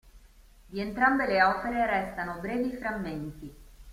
Di entrambe le opere restano brevi frammenti.